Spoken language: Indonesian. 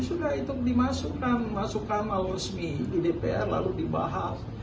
sudah itu dimasukkan masuk amal resmi di dpr lalu dibahas